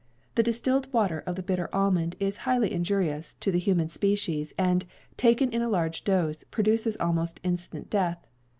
The distilled water of the bitter almond is highly injurious to the human species, and, taken in a large dose, produces almost instant death.'